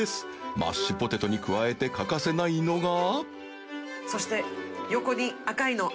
マッシュポテトに加えて欠かせないのが修靴横に赤いの。